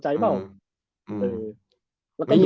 ไทยมึงมึงอาจจะสุดสุดท้าย